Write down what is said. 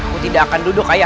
putra aku surawi surabaya